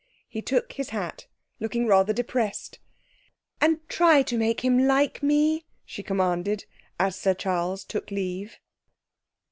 He took his hat, looking rather depressed. 'And try to make him like me!' she commanded, as Sir Charles took leave.